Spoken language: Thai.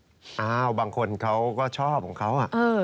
อ่าาาาวบางคนเขาก็ชอบของเขา